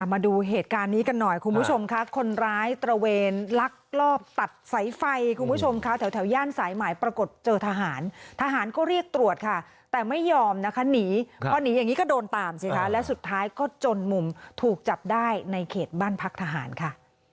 มาดูเหตุการณ์นี้กันหน่อยคุณผู้ชมค่ะคนร้ายตระเวนลักลอบตัดสายไฟคุณผู้ชมค่ะแถวย่านสายหมายปรากฏเจอทหารทหารก็เรียกตรวจค่ะแต่ไม่ยอมนะคะหนีพอหนีอย่างนี้ก็โดนตามสิคะและสุดท้ายก็จนมุมถูกจับได้ในเขตบ้านพักทหารค่ะ